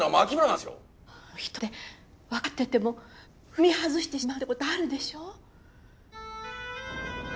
でも人ってわかってても踏み外してしまうってことあるでしょう？